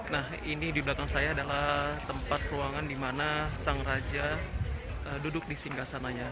nah ini di belakang saya adalah tempat ruangan di mana sang raja duduk di singgah sananya